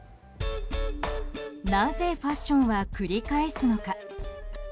なぜファッションは繰り返すのか。